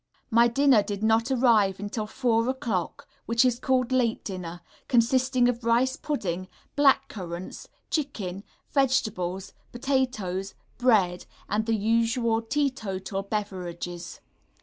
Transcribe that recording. My dinner did not arrive until 4 0 o'clock, which is called late dinner, consisting of rice pudding, black currants, chicken, vegetables, potatoes, bread, and the usual teetotal beverages.